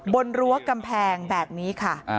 บนรั้วกำแพงแบบนี้